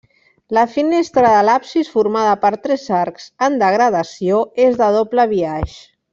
La finestra de l'absis, formada per tres arcs en degradació, és de doble biaix.